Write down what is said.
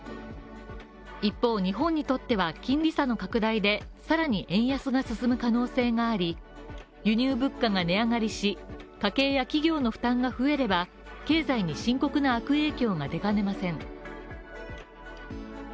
一方、日本にとっては金利差の拡大でさらに円安が進む可能性があり輸入物価が値上がりし、家計や企業の負担が増えれば、経済に深刻な悪影響が出かねません。